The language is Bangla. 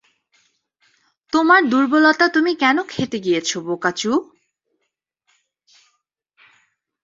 তোমার দুর্বলতা তুমি কেন খেতে গিয়েছ, বোকাচু?